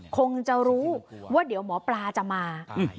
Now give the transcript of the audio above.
คงจะรู้ว่าเดี๋ยวหมอปลาจะมา